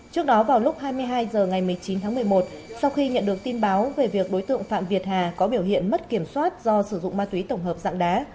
trước đó vào lúc hai mươi hai h ngày một mươi chín tháng một mươi một sau khi nhận được tin báo về việc đối tượng phạm việt hà có biểu hiện mất kiểm soát do sử dụng ma túy tổng hợp dạng đá